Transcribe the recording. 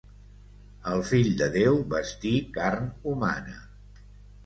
El fill de Déu vestí carn humana.